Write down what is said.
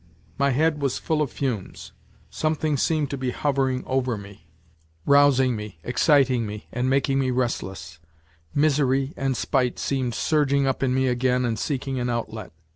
My head was full of fumes. Something seemed to be hovering NOTES FROM UNDERGROUND 119 over me, rousing me, exciting me, and making me restless. Misery and spite seemed surging up in me again and seeking an outlet.